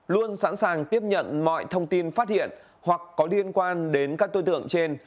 luôn sẵn sàng tiếp nhận mọi thông tin phát hiện hoặc có liên quan đến các tư tưởng trên